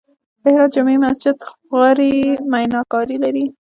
د هرات جمعې مسجد غوري میناکاري لري